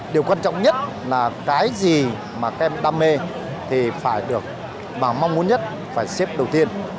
điều quan trọng nhất là cái gì mà các em đam mê thì phải được và mong muốn nhất phải xếp đầu tiên